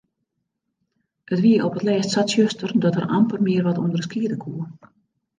It wie op 't lêst sa tsjuster dat er amper mear wat ûnderskiede koe.